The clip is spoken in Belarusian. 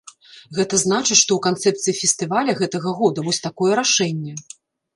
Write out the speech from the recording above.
Гэта значыць, што ў канцэпцыі фестываля гэтага года вось такое рашэнне.